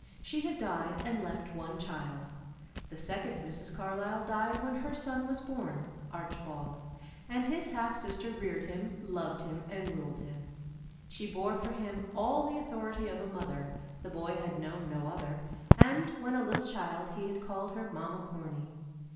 She had died and left one child. The second Mrs. Carlyle died when her son was born Archibald; and his half sister reared him, loved him and ruled him. She bore for him all the authority of a mother; the boy had known no other, and, when a little child he had called her Mamma Corny.